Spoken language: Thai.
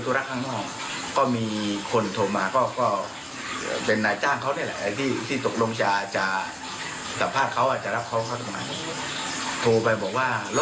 ทางนอกเขาก็รีบกลับบ้าน